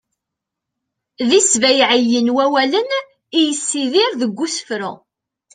d isbayɛiyen wawalen i yessidir deg usefru